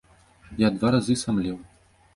Я два разы самлеў.